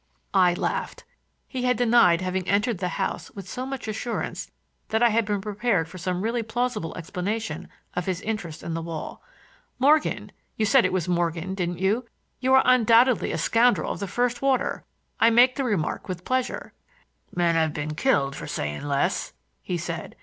I laughed. He had denied having entered the house with so much assurance that I had been prepared for some really plausible explanation of his interest in the wall. "Morgan—you said it was Morgan, didn't you?—you are undoubtedly a scoundrel of the first water. I make the remark with pleasure." "Men have been killed for saying less," he said.